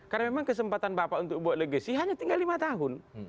karena memang kesempatan bapak untuk buat legasi hanya tinggal lima tahun